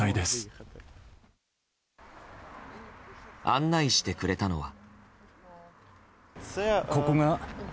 案内してくれたのは。